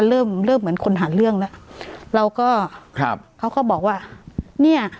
เริ่มเริ่มเหมือนคนหาเรื่องแล้วเราก็ครับเขาก็บอกว่าเนี้ย